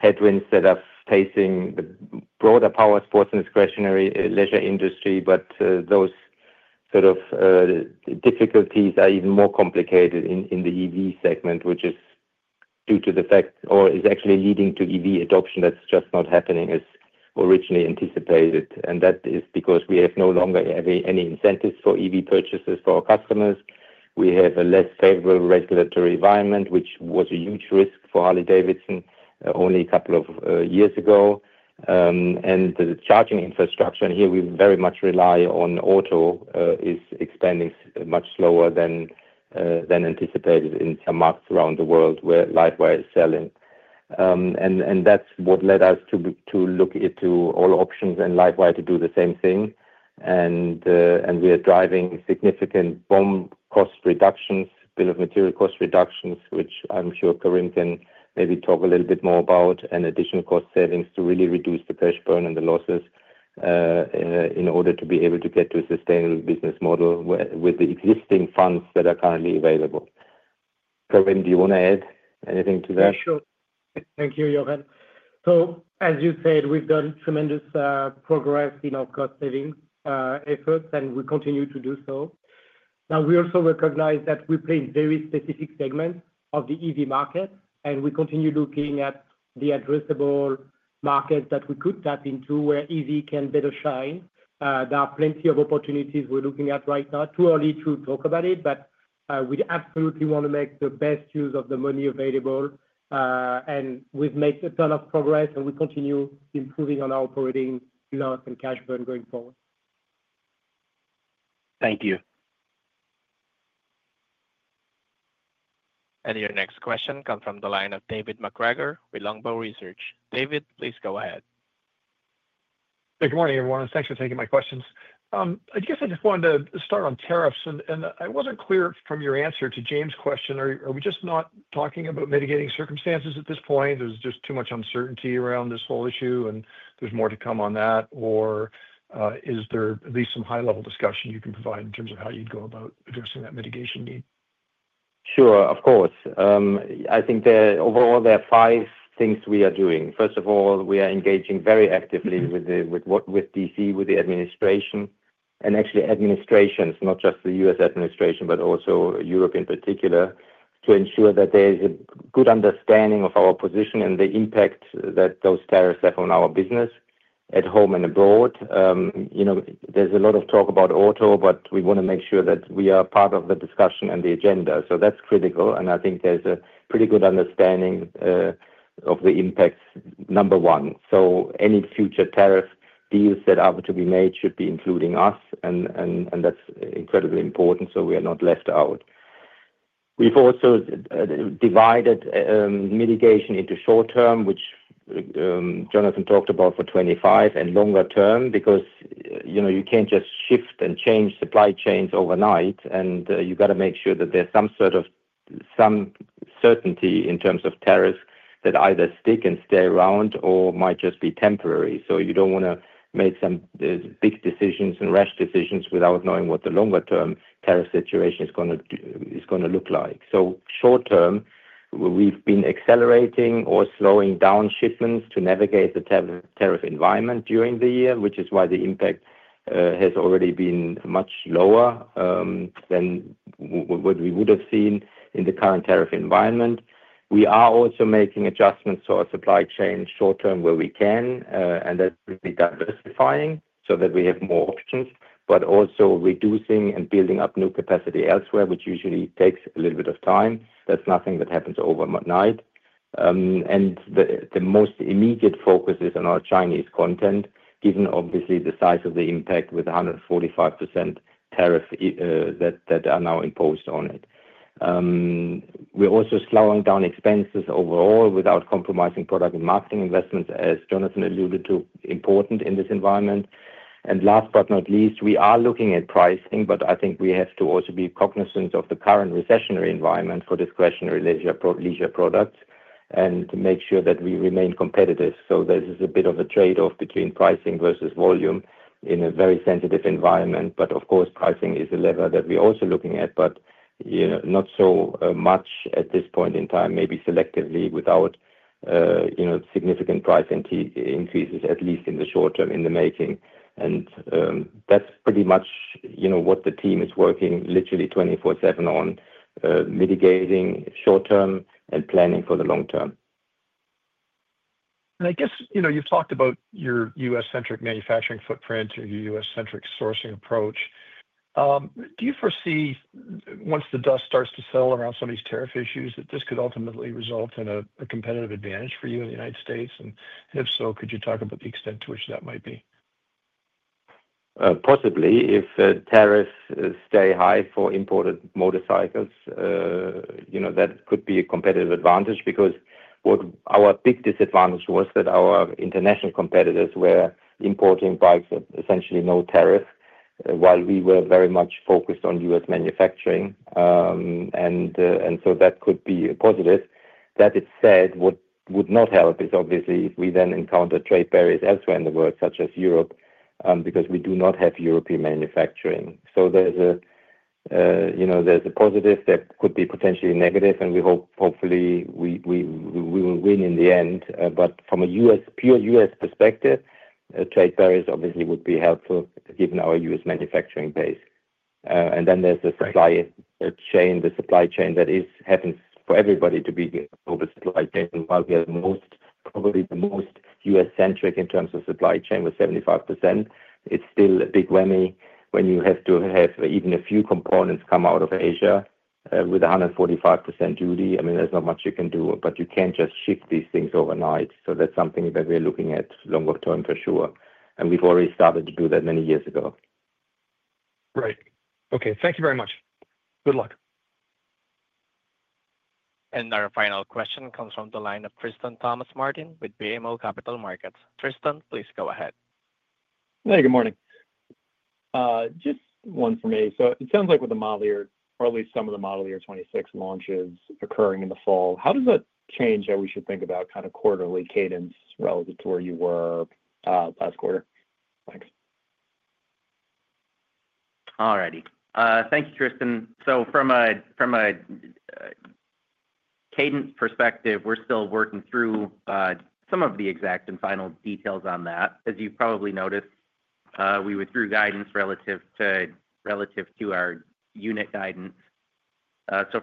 headwinds that are facing the broader powersports and discretionary leisure industry, but those sort of difficulties are even more complicated in the EV segment, which is due to the fact or is actually leading to EV adoption that's just not happening as originally anticipated. That is because we have no longer any incentives for EV purchases for our customers. We have a less favorable regulatory environment, which was a huge risk for Harley-Davidson only a couple of years ago. The charging infrastructure here, we very much rely on auto, is expanding much slower than anticipated in some markets around the world where LiveWire is selling. That is what led us to look into all options and LiveWire to do the same thing. We are driving significant bill of material cost reductions, which I'm sure Karim can maybe talk a little bit more about, and additional cost savings to really reduce the cash burn and the losses in order to be able to get to a sustainable business model with the existing funds that are currently available. Karim, do you want to add anything to that? Yeah, sure. Thank you, Jochen. As you said, we've done tremendous progress in our cost-saving efforts, and we continue to do so. We also recognize that we play in very specific segments of the EV market, and we continue looking at the addressable markets that we could tap into where EV can better shine. There are plenty of opportunities we're looking at right now. Too early to talk about it, but we absolutely want to make the best use of the money available. We have made a ton of progress, and we continue improving on our operating loss and cash burn going forward. Thank you. Your next question comes from the line of David MacGregor with Longbow Research. David, please go ahead. Good morning, everyone. Thanks for taking my questions. I guess I just wanted to start on tariffs. I was not clear from your answer to James' question. Are we just not talking about mitigating circumstances at this point? There is just too much uncertainty around this whole issue, and there is more to come on that. Is there at least some high-level discussion you can provide in terms of how you would go about addressing that mitigation need? Sure, of course. I think overall, there are five things we are doing. First of all, we are engaging very actively with D.C., with the administration, and actually administrations, not just the U.S. administration, but also Europe in particular, to ensure that there is a good understanding of our position and the impact that those tariffs have on our business at home and abroad. There's a lot of talk about auto, but we want to make sure that we are part of the discussion and the agenda. That is critical. I think there's a pretty good understanding of the impacts, number one. Any future tariff deals that are to be made should be including us, and that is incredibly important so we are not left out. We've also divided mitigation into short-term, which Jonathan talked about for 2025, and longer-term because you can't just shift and change supply chains overnight, and you've got to make sure that there's some sort of certainty in terms of tariffs that either stick and stay around or might just be temporary. You don't want to make some big decisions and rash decisions without knowing what the longer-term tariff situation is going to look like. Short-term, we've been accelerating or slowing down shipments to navigate the tariff environment during the year, which is why the impact has already been much lower than what we would have seen in the current tariff environment. We are also making adjustments to our supply chain short-term where we can, and that is really diversifying so that we have more options, but also reducing and building up new capacity elsewhere, which usually takes a little bit of time. That is nothing that happens overnight. The most immediate focus is on our Chinese content, given obviously the size of the impact with 145% tariff that are now imposed on it. We are also slowing down expenses overall without compromising product and marketing investments, as Jonathan alluded to, important in this environment. Last but not least, we are looking at pricing, but I think we have to also be cognizant of the current recessionary environment for discretionary leisure products and to make sure that we remain competitive. There is a bit of a trade-off between pricing versus volume in a very sensitive environment. Of course, pricing is a lever that we're also looking at, but not so much at this point in time, maybe selectively without significant price increases, at least in the short-term in the making. That's pretty much what the team is working literally 24/7 on, mitigating short-term and planning for the long-term. I guess you've talked about your U.S.-centric manufacturing footprint or your U.S.-centric sourcing approach. Do you foresee, once the dust starts to settle around some of these tariff issues, that this could ultimately result in a competitive advantage for you in the United States? If so, could you talk about the extent to which that might be? Possibly. If tariffs stay high for imported motorcycles, that could be a competitive advantage because what our big disadvantage was that our international competitors were importing bikes at essentially no tariff, while we were very much focused on U.S. manufacturing. That could be a positive. That said, what would not help is obviously if we then encounter trade barriers elsewhere in the world, such as Europe, because we do not have European manufacturing. There is a positive that could be potentially negative, and hopefully we will win in the end. From a pure U.S. perspective, trade barriers obviously would be helpful given our U.S. manufacturing base. There is the supply chain. The supply chain that happens for everybody to be over supply chain. While we are probably the most U.S.-centric in terms of supply chain, with 75%, it's still a big whammy when you have to have even a few components come out of Asia with 145% duty. I mean, there's not much you can do, but you can't just shift these things overnight. That is something that we're looking at longer-term for sure. We've already started to do that many years ago. Right. Okay. Thank you very much. Good luck. Our final question comes from the line of Tristan Thomas-Martin with BMO Capital Markets. Tristan, please go ahead. Hey, good morning. Just one for me. It sounds like with the model year, or at least some of the model year 2026 launches occurring in the fall, how does that change how we should think about kind of quarterly cadence relative to where you were last quarter? Thanks. All righty. Thank you, Tristan. From a cadence perspective, we're still working through some of the exact and final details on that. As you've probably noticed, we withdrew guidance relative to our unit guidance.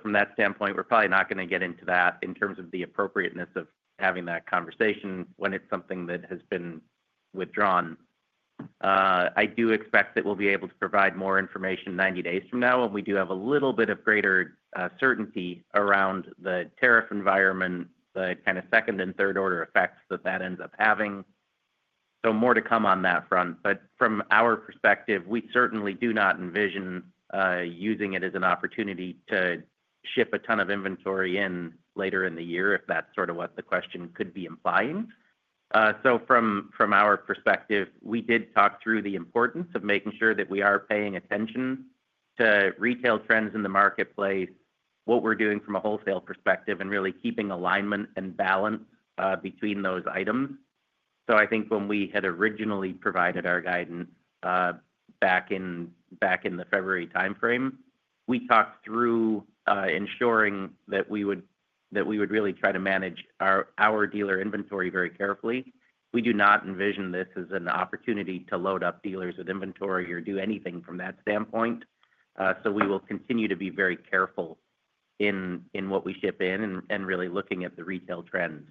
From that standpoint, we're probably not going to get into that in terms of the appropriateness of having that conversation when it's something that has been withdrawn. I do expect that we'll be able to provide more information 90-days from now when we do have a little bit of greater certainty around the tariff environment, the kind of second and third-order effects that that ends up having. More to come on that front. From our perspective, we certainly do not envision using it as an opportunity to ship a ton of inventory in later in the year if that's sort of what the question could be implying. From our perspective, we did talk through the importance of making sure that we are paying attention to retail trends in the marketplace, what we're doing from a wholesale perspective, and really keeping alignment and balance between those items. I think when we had originally provided our guidance back in the February timeframe, we talked through ensuring that we would really try to manage our dealer inventory very carefully. We do not envision this as an opportunity to load up dealers with inventory or do anything from that standpoint. We will continue to be very careful in what we ship in and really looking at the retail trends.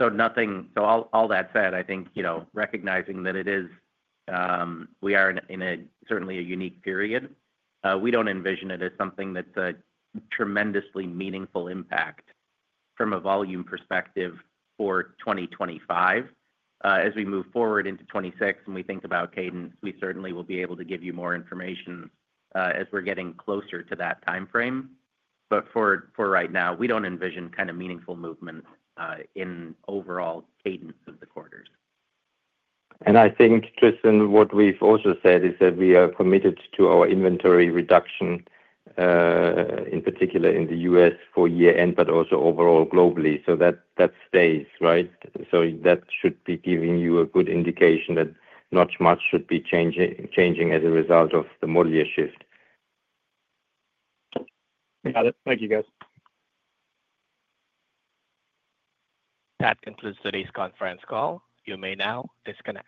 All that said, I think recognizing that we are in certainly a unique period, we don't envision it as something that's a tremendously meaningful impact from a volume perspective for 2025. As we move forward into 2026 and we think about cadence, we certainly will be able to give you more information as we're getting closer to that timeframe. For right now, we do not envision kind of meaningful movement in overall cadence of the quarters. I think, Tristan, what we've also said is that we are committed to our inventory reduction, in particular in the U.S. for year-end, but also overall globally. That stays, right? That should be giving you a good indication that not much should be changing as a result of the model year shift. Got it. Thank you, guys. That concludes today's conference call. You may now disconnect.